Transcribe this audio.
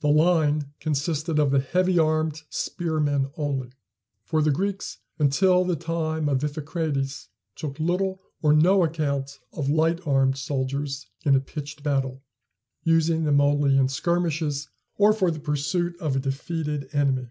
The line consisted of the heavy armed spearmen only; for the Greeks until the time of Iphicrates took little or no account of light armed soldiers in a pitched battle, using them only in skirmishes, or for the pursuit of a defeated enemy.